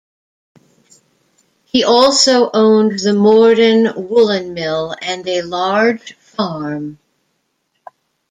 He also owned the Morden Woollen Mill and a large farm.